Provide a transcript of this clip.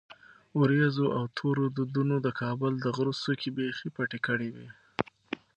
ورېځو او تورو دودونو د کابل د غره څوکې بیخي پټې کړې وې.